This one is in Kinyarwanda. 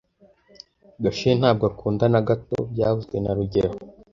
Gashuhe ntabwo akunda na gato byavuzwe na rugero